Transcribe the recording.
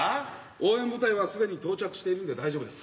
応援部隊はすでに到着しているんで大丈夫です。